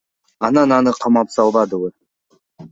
Анан аны камап салбадыбы.